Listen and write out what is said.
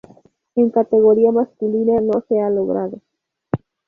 En categoría masculina no se ha logrado.